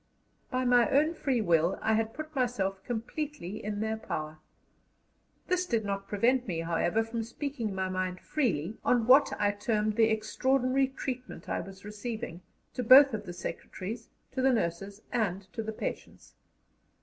By my own free will I had put myself completely in their power. This did not prevent me, however, from speaking my mind freely on what I termed "the extraordinary treatment I was receiving," to both of the secretaries, to the nurses, and to the patients.